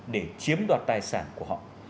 để chiếm đoạt tài sản của họ